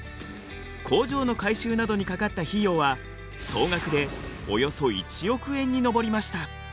工場の改修などにかかった費用は総額でおよそ１億円に上りました。